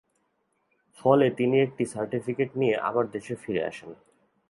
ফলে তিনি একটি সার্টিফিকেট নিয়ে আবার দেশে ফিরে আসেন।